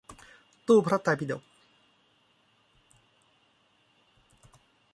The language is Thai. ตู้พระไตรปิฎก